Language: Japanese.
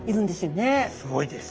すごいです。